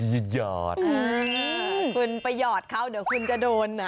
คุณไปหยอดเขาเดี๋ยวคุณจะโดนนะ